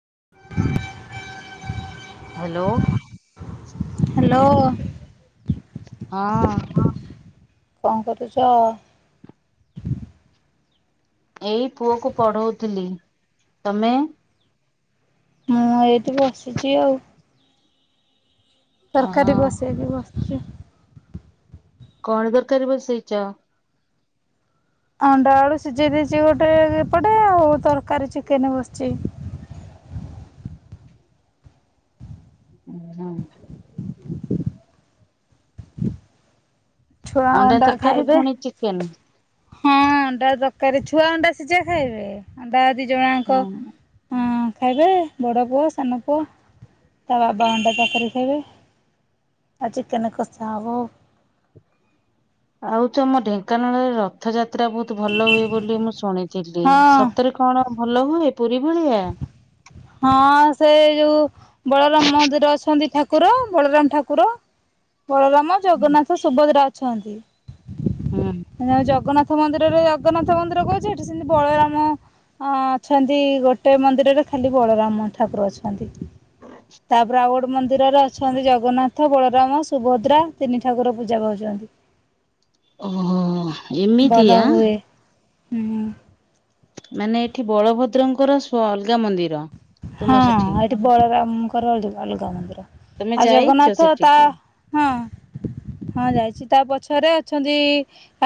[inaudible] Hello. Hello. ହଁ। କଣ କରୁଛ? ଏଇ ପୁଅ କ ପଢଉଥିଲି ତମେ? ମୁଁ ଏଇଠି ବସିଛି ଆଉ। ଓହୋ ତରକାରୀ ବସେଇ କି ବସି ଚୁପ କଣ ତରକାରୀ ବସେଇଛ। ଅଣ୍ଡା ଆଳୁ ସିଝେଇ ଦେଇଛି ଗୋଟେ ଏପଟେ ଆଉ ତରକାରୀ ଚିକେନ ବସିଛି। ଉଁ ହୁଁ। ଛୁଆ ଅଣ୍ଡା ତରକାରୀ ଖାଇବେ ପୁଣି ଚିକେନ ହଁ ଅଣ୍ଡା ତରକାରୀ ଛୁଆ ଅଣ୍ଡା ସିଝା ଖାଇବେ ଅଣ୍ଡା ଦି ଜଣ ଆଙ୍କ ହଁ। ଅଁ ଖାଇବେ ବଡ଼ ପୁଅ ସାନ ପୁଅ ତା ବାବା ଅଣ୍ଡା ତରକାରୀ ଖାଇବେ ଆଉ ଚିକେନ କଷା ହେଉ ଆଉ ତମ ଢେଙ୍କାନାଳରେ ରଥଯାତ୍ରା ସତରେ ବହୁତ ଭଲ ହୁଏ ବୋଲି ମୁଁ ଶୁଣିଥିଲି ହଁ ସତରେ କଣ ଭଲ ହୁଏ ପୁରୀ ଭଳିଆ ହଁ ସେ ଯୋଉ ବଳରାମ ମନ୍ଦିର ଅଛନ୍ତି ଠାକୁର ବଳରାମ ଠାକୁର ବଳରାମ ଜଗନ୍ନାଥ ସୁଭଦ୍ରା ଅଛ ଥାନ୍ତି। ହୁଁ ମ ଜଗନ୍ନାଥ ମନ୍ଦିରରେ ଜଗନ୍ନାଥ ମନ୍ଦିର କହୁଛି ଏଠି ସେମତି ବଳରାମ ଅ ଅଛନ୍ତି ଗୋଟେ ମନ୍ଦିରରେ ଖାଲି ବଳରାମ ଠାକୁର ଅଛନ୍ତି। ତାପରେ ଆଉ ଗୋଟେ ମନ୍ଦିରରେ ଅଛନ୍ତି ଜଗନ୍ନାଥ ସେ ବଳରାମ ସୁଭଦ୍ରା ତିନି ଠାକୁର ପୂଜା ପାଉଛନ୍ତି ଓହୋ ଏମିତିଆ ଭଲ ହୁଏ। ହୁଁ। ମାନେ ଏଠି ବଳଭଦ୍ର ଙ୍କର ସୁ ଅଲଗା ମନ୍ଦିର। ତୁମ ହଁ ସେଠି ଏଠି ବଳରାମଙ୍କର ଅଲଗା ଅଲଗା ମନ୍ଦିର ତମେ ଆଉ ଯାଇଛ ଜଗନ୍ନାଥ ତା ସେଠିକି? ହଁ ହଁ ଯାଇଛି ତା ପଛରେ ଅଛନ୍ତି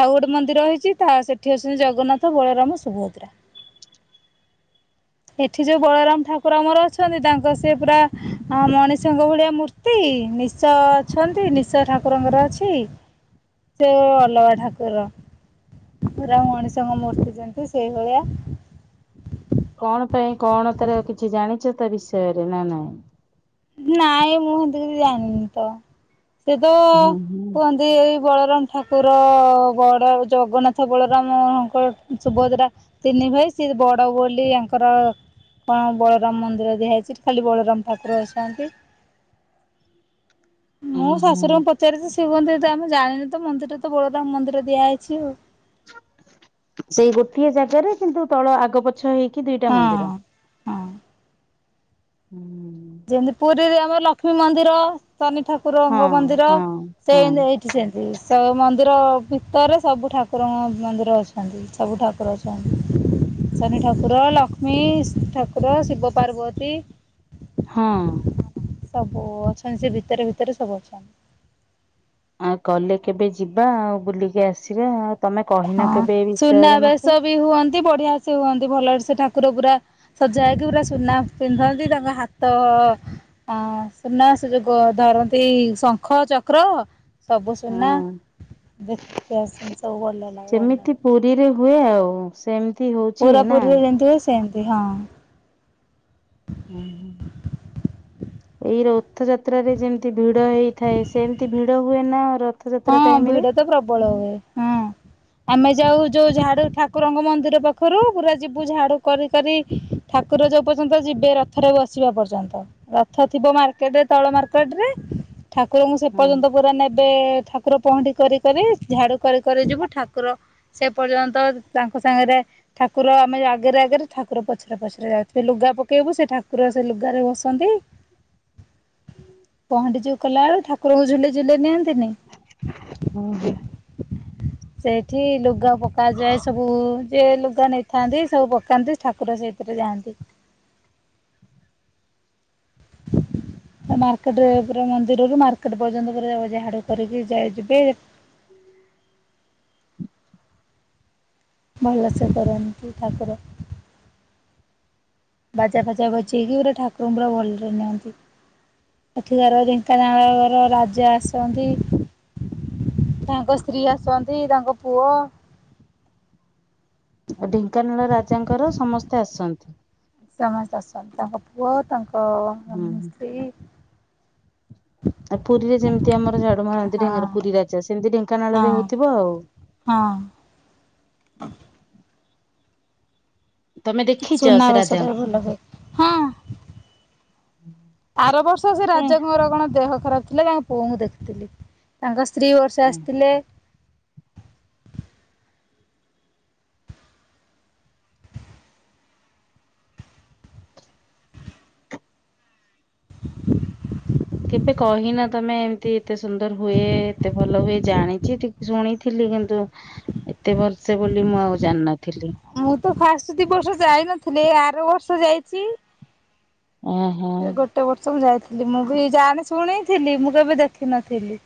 ଆଉ ଗୋଟେ ମନ୍ଦିର ହେଇଛି ତା ସେଠି ଅଛନ୍ତି ଜଗନ୍ନାଥ ବଳରାମ ସୁଭଦ୍ରା। ଏଠି ଯୋଉ ବଳରାମ ଠାକୁର ଆମର ଅଛନ୍ତି ତାଙ୍କ ସେ ପୁରା ମଣିଷଙ୍କ ଭଳିଆ ମୂର୍ତ୍ତି ନିଶ ଅଛନ୍ତି ନିଶ ଠାକୁରଙ୍କର ଅଛି ସେ ଅଲଗା ଠାକୁର ପୁରା ମଣିଷଙ୍କ ମୂର୍ତ୍ତି ଯେମତି ସେଇ ଭଳିଆ। କଣ ପାଇଁ କଣ ତାର କିଛି ଜାଣିଛ ତା ବିଷୟରେ ନା ନାଇଁ? ନାଇଁ ମୁଁ ସେମିତି କିଛି ଯାଣିନି ତ। ସେ ତ ହୁଁ ହୁଁ। କୁହନ୍ତି ଏଇ ବଳରାମ ଠାକୁର ବଡ ଜଗନ୍ନାଥ ବଳରାମଙ୍କ ସୁଭଦ୍ରା ତିନି ଭାଇ ସିଏ ବଡ ବୋଲି ଆଙ୍କର କଣ ବଳରାମ ମନ୍ଦିର ଦିଆହେଇଛି ଖାଲି ବଳରାମ ଠାକୁର ଥାନ୍ତି। ଉଁ ମୁଁ ହୁଁ। ଶାଶୁରଙ୍କୁ ପଚାରିଛି ଶି କୁହନ୍ତି ତ ଆମେ ଜଣିନି ତ ମନ୍ଦିରେ ତ ବଳରାମ ମନ୍ଦିର ଦିଆ ହେଇଛି ଆଉ। ସେଇ ଗୋଟିଏ ଜାଗାରେ କିନ୍ତୁ ତଳ ଆଗ ପ ପଛ ହେଇକି ଦିଟା ମନ୍ଦିର। ହଁ ହଁ ହୁଁ। ଯେନ୍ତି ପୁରୀରେ ଓ ଲକ୍ଷ୍ମୀ ମନ୍ଦିର ଶନି ଠାକୁର ଙ୍କ ହଁ ମନ୍ଦିର ହଁ ସେ ଏନ୍ତି ଏଇଠି ସେମିତି ସବୁ ମନ୍ଦିର ଭିତରେ ସବୁ ଠାକୁରଙ୍କ ମନ୍ଦିର ଅଛନ୍ତି ସବୁ ଠାକୁର ଅଛନ୍ତି ଶନି ଠାକୁର ଲକ୍ଷ୍ମୀ ଠାକୁର ଶିବ ପାର୍ବତୀ ହଁ। ସବୁ ଅଛନ୍ତି ସେ ଭିତରେ ଭିତରେ ସବୁ ଅଛନ୍ତି। କଲେ କେବେ ଯିବା ଆଉ ବୁଲିକି ଆସିବା। ତମେ ହଁ କହିନ କେବେ ଏ ବିଷୟରେ ମତେ। ସୁନାବେଶ ବି ହୁଅନ୍ତି ବଢିଆ ସେ ହୁଅନ୍ତି ଭଲରେ ସେ ଠା କୁର ପୁରା ସଜା ହେକି ପୁରା ସୁନା ପିନ୍ଧନ୍ତି ତାଙ୍କ ହାତ ଅ ସୁନା ସେ ଯୋଉ ଧରନ୍ତି ଶଙ୍ଖ ଚକ୍ର ସବୁ ସୁନା ହଁ ଦେଖି ଆସ ସବୁ ଭଲ ଲ ଯେମିତି ପୁରୀ ହୁଏ ଆଉ ସେମିତି ହଉଛି ପୁରା ନା। ପୁରୀରେ ଯେମିତି ହୁଏ ସେମିତି ହଁ। ହଁ ହଁ ଏଇ ରଥ ଯାତ୍ରାରେ ଯେମିତି ଭିଡ ହେଇଥାଏ ସେମିତି ଭିଡ଼ ଡ ହୁଏ ନା ରଥଯାତ୍ରା ହଁ ଟାଇମ ରେ। ଭିଡ ତ ପ୍ରବଳ ହୁଏ ହଁ ଆମେ ଯାଉ ଯୋଉ ଝାଡୁ ଠାକୁରଙ୍କ ମନ୍ଦିର ପାଖରୁ ପୁରା ଯିବୁ ଝାଡୁ କରି କରି ଠାକୁର ଯୋଉ ପର୍ଯ୍ୟନ୍ତ ଯିବେ ରଥରେ ବସିବା ପର୍ଯ୍ୟନ୍ତ ରଥ ଥିବ ମାର୍କେଟରେ ତଳ ମାର୍କେଟରେ ଠାକୁରଙ୍କୁ ସେ ପର୍ଯ୍ୟନ୍ତ ପୁରା ନେବେ ଠାକୁର ପହଁଣ୍ଡି କରି କରି ଝାଡୁ କରି କରି ଯିବୁ ଠାକୁର ସେ ପର୍ଯ୍ୟନ୍ତ ତାଙ୍କ ସାଙ୍ଗରେ ଠାକୁର ଆମେ ଆଗରେ ଆଗରେ ଠାକୁର ପଛରେ ପଛରେ ଯାଉ ଲୁଗା ପକେଇବୁ ସେ ଠାକୁର ସେ ଲୁଗାରେ ବସନ୍ତି ପହଣ୍ଡି ଯୋଉ କଲାବେଳେ ଠାକୁ ଠାକୁର ଙ୍କୁ ଝୁଲେଇ ଝୁଲେଇ ନିହାନ୍ତିନି। ହଁ ହ। ସେଇଠି ଲୁ ଲଗା ପକା ଯାଏ ସବୁ ଯେ ଲୁଗା ନେଇ ଥାନ୍ତି ସବୁ ପକାନ୍ତି ଠାକୁର ସେହିଥିରେ ଯାଆନ୍ତି। ଅ ମାର୍କେଟରେ ପୁରା ମନ୍ଦିରରୁ ମାର୍କେଟ ପର୍ଯ୍ୟନ୍ତ ପୁରା ଝାଡୁ କରିକି ଯାଇ ଯିବେ। ଭଲସେ କରନ୍ତି ଠାକୁର ବାଜା ଫାଜା ବଜେଇକି ପୁରା ଠାକୁରଙ୍କୁ ପୁରା ଭଲରେ ନିଅନ୍ତି। ଏଠିକାର ଢେଙ୍କାନାଳର ରାଜା ଆସନ୍ତି। ତାଙ୍କ ସ୍ତ୍ରୀ ଆସନ୍ତି। ତାଙ୍କ ପୁଅ ଆ ଢେଙ୍କାନାଳ ରାଜାଙ୍କର ସମସ୍ତେ ଆସନ୍ତି। ସମସ୍ତ ଆସନ୍ତି ତାଙ୍କ ପୁଅ ତାଙ୍କ ହ [unintelligible] ମ ସ୍ତ୍ରୀ ଆଉ ପୁରୀରେ ଯେମିତି ଆମର ଝାଡୁ ମାରନ୍ତି ହଁ। ଢେମର ପୁରୀ ରାଜା ସେମିତି ଢେଙ୍କାନାଳରେ ହଁ ହଉଥିବ ଆଉ। ହଁ ତମେ ଦେଖିଛ ସେ ସୁନାବେଶଟା ରାଜାଙ୍କୁ? ଭଲ ହୁଏ ହଁ। ଆରବର୍ଷ ସେ ଏ ରାଜାଙ୍କର କଣ ଦେହ ଖରାପ ଥିଲା ତାଙ୍କ ପୁଅଙ୍କୁ ଦେଖିଥିଲି। ତାଙ୍କ ସ୍ତି ଦି ବର୍ଷ ଆସିଥିଲେ। [inaudible] କେବେ କହିନା ତମେ ଏମିତି ଏତେ ସୁନ୍ଦର ହୁଏ। ଏତେ ଭଲ ହୁଏ। ଜାଣିଚି ଟିକ୍ ଶୁଣିଥିଲି କିନ୍ତୁ ଏତେ ଭଲସେ ବୋଲି ମୁଁ ଆଉ ଜାଣିନଥ ମୁଁ ତ ଫାଷ୍ଟ ଦି ବର୍ଷ ଯାଇନ ଥିଲି। ଏ ଆରବର୍ଷ ଯାଇଚି। ଓହୋ ଏ ଗୋଟେ ବର୍ଷ ମୁଁ ଯାଇଥି ମୁଁ ବି ଜାଣି ଶୁଣିଥିଲି ମୁଁ କେବେ ଦେଖିନଥିଲି।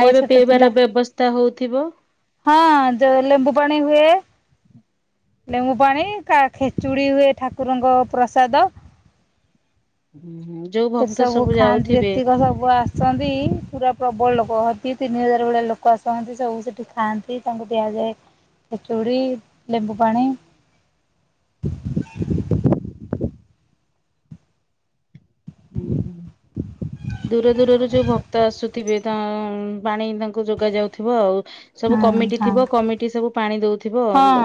ପୁଅ ଛୋଟ ପିଇବାର ଥିଲା ବ୍ୟବସ୍ଥା ହଉଥିବ? ହଁ ଯଉ ଲେମ୍ବୁ ପାଣି ହୁଏ। ଲେମ୍ବୁ ପାଣି କା ଖେଚୁଡି ହୁଏ ଠାକୁରଙ୍କ ପ୍ରସାଦ। ହୁଁ ଯୋଉ ଭକ୍ତ ସେସବୁ ସବୁ ଖାଆନ୍ତି ଯାଉଥିବେ ଯେତିକ ସବୁ ଆସନ୍ତି ପୁରା ପ୍ରବଳ ଲୋକ ହନ୍ତି। ତିନି ହଜାର ଭଳିଆ ଲୋକ ଆସନ୍ତି ସବୁ ସେଠି ଖାଆନ୍ତି ତାଙ୍କୁ ବ୍ୟାଗ, ଖେଚୁଡ଼ି, ଲେମ୍ବୁ ପାଣି ହୁଁ ହୁଁ ଦୂର ଦୂରରୁ ଯେଉ ଭକ୍ତ ଆସୁଥିବେ ତା ଉମ ପାଣି ତାଙ୍କୁ ଯୋଗା ଯାଉଥିବ ଆଉ। ସବୁ ହୁଁ କମିଟି ହଁ ଥିବ କମିଟି ସବୁ ପାଣି ଦଉ ହଁ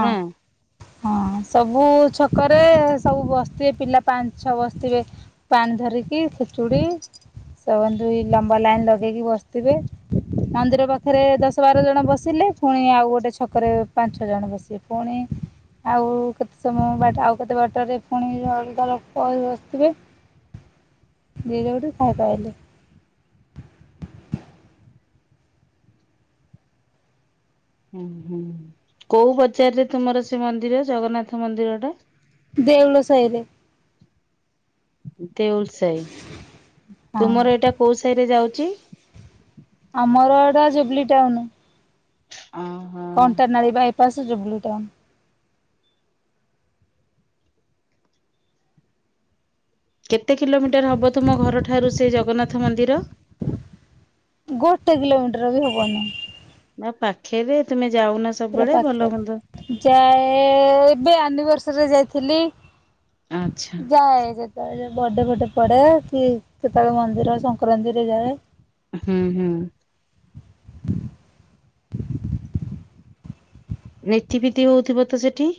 ହଁ ସବୁ ଛକରେ ସବୁ ବସଥିବେ ପିଲା ପାଞ୍ଚ ଛଅ ବସଥିବେ। ପାଣି ଧରିକି, ଖେଚୁଡ଼ି ସମାନ ଦୁଇ ଲମ୍ବା ଲାଇନ ଲଗେଇକି ବସିଥିବେ। ମନ୍ଦିର ପାଖରେ ଦଶ ବାର ଜଣ ବସିଲେ ପୁଣି ଆଉ ଗୋଟେ ଛକରେ ପାଞ୍ଚ ଛଅ ଜଣ ବସିବେ। ପୁଣି ଆଉ କେତେ ସମୟ ବାଟ ଆଉ କେତେ ବାଟ ରେ ପୁଣିଳ ଅଲଗା ଲୋକ ବସିଥିବେ। ଯିଏ ଯଉଠି ଖାଇପାଇଲେ। ହୁଁ ହୁଁ କୋଉ ପଚାରରେ ତୁମର ସେ ମନ୍ଦିର ଜଗନ୍ନାଥ ମନ୍ଦିର ଟା? ଦେଉଳ ସାଇରେ। ହୁଁ। ଦେଉଲସାଇ। ହଁ ତୁମର ଏଟା କୋଉ ସାଇରେ ଯାଉ ଚି? ଆମର ଏଟା ଜୁବଲି ଟାଉନ। ଓହୋ କଣଟା ନାଳି ବା ପାସ ଯୋଉ ବ୍ଲୁ ଟାଉନ୍। କେତେ କିଲୋମିଟର ହବ ତୁମ ଘର ଠାରୁ ସେ ଜଗନ୍ନାଥ ମନ୍ଦିର? ଗୋଟେ କିଲୋମିଟର ବି ହବନି। ନା ପାଖେରେ ତୁମେ ଯାଉନା ପୁରା ସବୁବେଳେ ଭଲ ମନ୍ଦ ପାଖରେ ଯାଏ ଏବେ ଆନିଭର୍ଷ ରେ ଯାଇଥିଲି ଆଚ୍ଛା ଯାଏ [unintelligible] ବାଡେ ଫାଡେ ପଡେ କି କେତେବେଳେ ମନ୍ଦିର ସଂକ୍ରାନ୍ତିରେ ଯାଏ। ହୁଁ ହୁଁ। ନୀତିି ଫୀତି ହଉଥିବ ତ ସେଠି?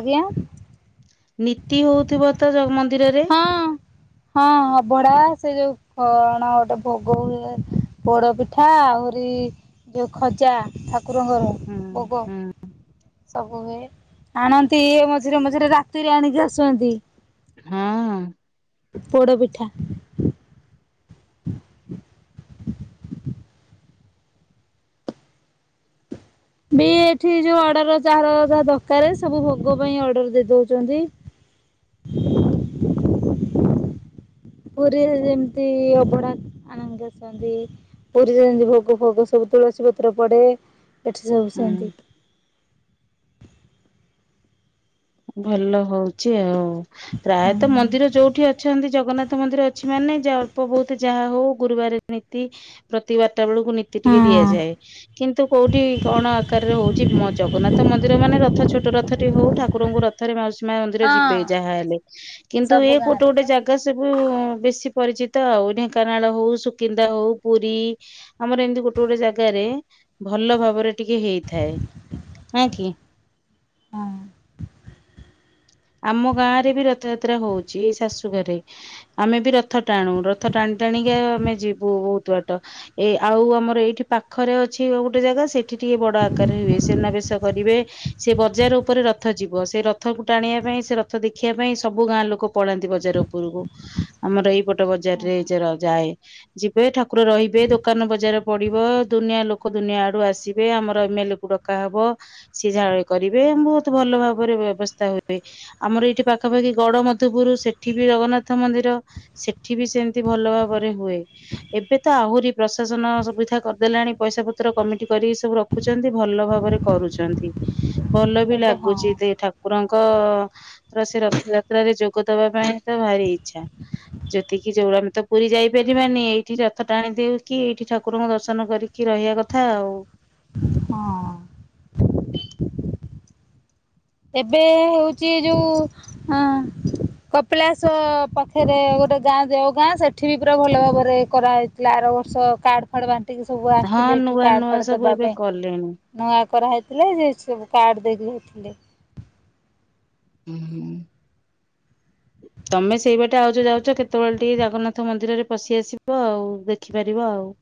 ଆଜ୍ଞା? ନୀତି ହଉଥିବ ତ ଜଗମ ନ୍ଦିରରେ। ହଁ ହଁ ଅଭଡା ସେ ଯୋଉ କଣ ଗୋଟେ ଭୋଗ ହୁଏ ପୋଡପିଠା ଆହୁରି ଯୋଉ ଖଜା ଠାକୁରଙ୍କର ହୁଁ ଭୋଗ। ହୁଁ ସବୁ ହୁଏ, ଆଣନ୍ତି ମଝିରେ ମଝିରେ ରାତିରେ ଆଣିକି ଆସନ୍ତି। ହଁ। ପୋଡ଼ପିଠା। ବି ଏଠି ଯୋଉ ଅର୍ଡର ଯାହାର ଯାହା ଦରକାର ସବୁ ଭୋଗ ପାଇଁ ଅର୍ଡର ଦେଇ ଦଉଚନ୍ତି। ପୁରୀରେ ଯେମିତି ଅବଢା ଆଣିକି ଆସନ୍ତି ପୁରୀରେ ଯେମିତି ଭୋଗ ଫୋଗ ସବୁ ତୁଳସୀ ପତ୍ର ପଡେ ଏଠି ସବୁ ହୁଁ। ସେମତି। ଭଲ ହଉଛି ଆଉ। ହଁ ପ୍ରାୟତଃ ମନ୍ଦିର ଯୋଉଠି ଅଛନ୍ତି ଜଗନ୍ନାଥ ମନ୍ଦିର ଅଛି ମାନେ ଯ ଅଳ୍ପ ବହୁତ ଯାହା ହଉ ଗୁରୁବାର ନୀତି ପ୍ରତି ବା ଟା ବେଳକୁ ନୀତି ଟିକେ ହଁ। ଦିଆଯାଏ କିନ୍ତୁ କୋଉଠି କଣ ଆକାରରେ ହଉଛି ମୋ ଜଗନ୍ନାଥ ମନ୍ଦିର ମାନେ ଛୋଟ ରଥଟି ହଉ ଠାକ୍ ଠାକୁରଙ୍କୁ ରଥରେ ମାଉସୀ ମା ମନ୍ଦିର ଯିବେ ହଁ ଯାହାହଲେ କିନ୍ତୁ ସବୁ ଏ ଗୋଟେ ଗାଁରେ ଗୋଟେ ତ ଜାଗା ସବୁ ବେଶୀ ପରିଚିତ ଆଉ ଢେଙ୍କାନାଳ ହଉ ସୁକିନ୍ଦା ହଉ ପୁରୀ ଆମର ଏମିତି ଗୋଟେ ଗୋଟେ ଜାଗାରେ ଭଲ ଭାବରେ ଟିକେ ହେଇଥାଏ ନା କି। ହଁ ଆମ ଗାଁରେ ବି ରଥଯାତ୍ରା ହଉଚି ଏଇ ଶାଶୁଘରେ ଆମେ ବି ର ରଥ ଟାଣୁ ରଥ ଟାଣି ଟାଣିକା ଆମେ ଯିବୁ ବହୁତ ବାଟ ଏ ଆଉ ଆମର ଏଇଠି ପାଖରେ ଅଛି ଗୋଟେ ଜାଗା ସେ ଠି ଟିକେ ବଡ ଆକାରରେ ହୁଏ ସୁନାବେଶ କରିବେ ସେ ବଜାର ଉପରେ ର ଥ ଯିବ ସେ ରଥକୁ ଟାଣିବା ପାଇଁ ସେ ରଥ ଦେଖିବା ପାଇଁ ସବୁ ଗାଁ ଲୋକ ପଳାନ୍ତି ବଜାର ଉପରକୁ ଆମର ଏଇପ ଟ ବଜାର ରେ ର ଯାଏ ଯିବେ ଠାକୁର ରହିବେ ଦୋକାନ ବଜାର ପଡିବ ଦୁନିଆ ଲୋକ ଦୁନିଆ ଆଡୁ ଆସିବେ ଆମର ଏମ୍ଏଲ କୁ ଡକା ହବ ସିଏ ଯାହା କରିବେ ଆମ ବ ବହୁତ ଭଲ ଭାବରେ ବ୍ୟବସ୍ଥା ହୁଏ। ଆମର ଏଇଠି ପାଖାପାଖି ଗଡମଧପୁର ସେଠି ବି ଜଗନ୍ନାଥ ମନ୍ଦିର ସେଠି ବି ସେମିତି ଭଲ ଭାବରେ ହୁଏ। ଏବେ ତ ଆହୁରି ପ୍ରଶାସନ ସୁବିଧା କରିଦେଲାଣି ପଇସା ପତ୍ର କମିଟି କରିକି ସବୁ ରଖୁଛନ୍ତି ଭଲ ଭାବରେ କରୁଛନ୍ତି। ଭଲ ବି ଏବେ ଲାଗ୍ ହଁ [unintelligible] ଠାକୁରଙ୍କ ସେ ରଥଯାତ୍ରାରେ ଯୋଗଦବା ପାଇଁ ତ ଭାରି ଇଚ୍ଛା ଯେତିକି ଯୋଉ ଆମେ ତ ପୁରୀ ଯାଇପାରିବାନି ଏଇଠି ରଥ ଟାଣି ଦେଉ କିି ଏଇଠି ଠାକୁରଙ୍କୁ ଦର୍ଶନ କରିକି ରହିବା କଥା ଆଉ। ହଁ। ଏବେ ହେଉଛି ଯୋଉ ଅ କପିଳାସ ପାଖରେ ଗୋଟେ ଗାଁ ଦେଓଗାଁ ସେଠି ବି ପୁରା ଭଲ ଭାବରେ କରାହେଇଥିଲା ଆର ବର୍ଷ କାର୍ଡ ଫାର୍ଡ ବାଣ୍ଟ ଟିକେ ସବୁ ହଁ ଆସିଥିଲେ ଏଠି ନୂଆ କାର୍ଡ ନୂଆ ଫାର୍ଡ ସବୁ ଦବା ଏବେ ପାଇଁ କଲେଣି। ନ କରାହେଇଥିଲେ ଯେ ସବୁ କାର୍ଡ଼ ଦେଇକି ହେଇଥିଲେ। ହୁଁଁ ତମେ ସେଇ ବାଟେ ଆଉଚ ଯାଉଛ କେତେବେଳେ ଟିକେ ଜଗନ୍ନାଥ ମନ୍ଦିରରେ ପଶି ଆସିବ ଆଉ। ଦେଖିପାରିବ ଆଉ।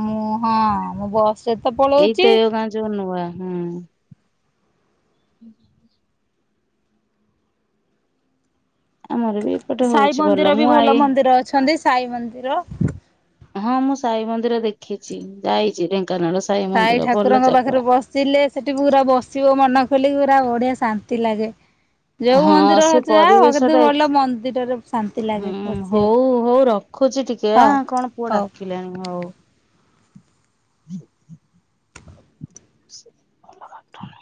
ମୁଁ ହଁ ମୁଁ ବସରେ ତ ପଳଉଚି ଏଇତ ଏ ଗାଁ ଯୋଉ ନୂଆ ହୁଁ। ଆମର ବି ଏପଟେ ସାଇ ହଉଛି ମନ୍ଦିର ବି ମୁଁ ଭଲ ଆଇ ମନ୍ଦିର ଅଛନ୍ତି ସାଇ ମନ୍ଦିର। ହଁ ମୁଁ ସାଇ ମନ୍ଦିର ଦେଖିଛି ଯାଇଛି ଢେଙ୍କ ସାହି ଠାକୁରଙ୍କ ପାଖରେ ବସିଲେ ସେଠି ପୁରା ବସିବ ମନ ଖୋଲି ପୁରା ବଢିଆ ଶାନ୍ତି ଲାଗେ। ଯୋଉ ହଁ ମନ୍ଦିର ସେ ଯାଅ ପରିବେଶ କିନ୍ତୁ ଟା ଭଲ ମନ୍ଦିରରେ ଶାନ୍ତି ଲାଗେ ହୁଁ ବସିବାକୁ। ହଉ ହଉ ରଖୁଛି ଟିକେ ହଁ ଆଁ କଣ ପୁଅ ହଉ। ଡାକିଲେଣି ହଉ। [unintelligible]